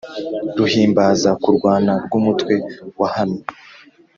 Ruhimbaza kurwana rw’umutwe wahamye,